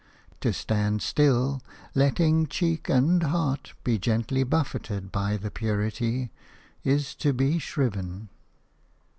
To stand still, letting cheek and heart be gently buffeted by the purity, is to be shriven.